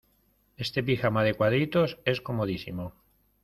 Este pijama de cuadritos es comodísimo.